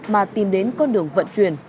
mà tìm đến con đường vận chuyển